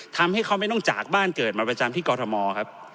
ทำให้เขาไม่ต้องจากบ้านเกิดมาประจำที่กรทมครับ